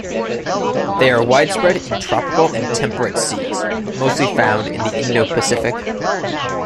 They are widespread in tropical and temperate seas, but mostly found in the Indo-Pacific.